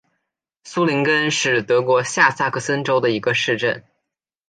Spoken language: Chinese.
苏林根是德国下萨克森州的一个市镇。